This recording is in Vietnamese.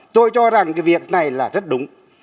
tôi cho rằng việc này là rất đúng